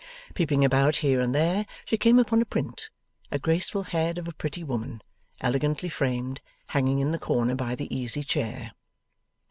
Peeping about here and there, she came upon a print, a graceful head of a pretty woman, elegantly framed, hanging in the corner by the easy chair.